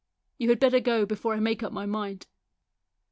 You had better go before I make up my mind."